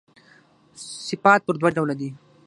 صفات پر دوه ډوله دي.